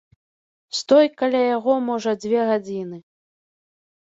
Стой каля яго можа дзве гадзіны.